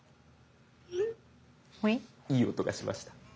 いい音がしました。